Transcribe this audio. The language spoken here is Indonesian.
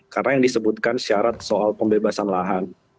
karena yang disebutkan syarat soal pembebasan lahan